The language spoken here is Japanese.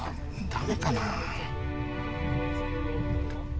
ダメかなあ？